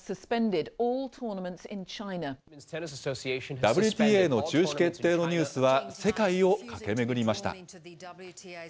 ＷＴＡの中止決定のニュースは、世界を駆け巡りました。